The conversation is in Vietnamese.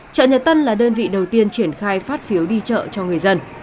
chợ nhật tân là đơn vị đầu tiên triển khai phát phiếu đi chợ cho người dân